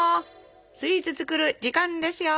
スイーツ作る時間ですよ。